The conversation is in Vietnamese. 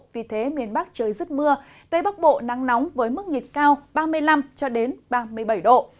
vì thế miền bắc trời rất mưa tây bắc bộ nắng nóng với mức nhiệt cao ba mươi năm ba mươi bảy độ